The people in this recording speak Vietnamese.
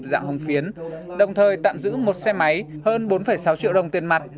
dạng hồng phiến đồng thời tạm giữ một xe máy hơn bốn sáu triệu đồng tiền mặt